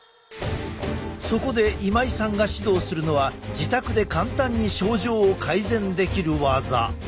そこで今井さんが指導するのは自宅で簡単に症状を改善できる技。